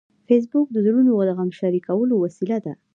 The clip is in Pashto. فېسبوک د زړونو د غم شریکولو وسیله ده